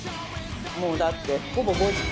もうだってほぼ５時。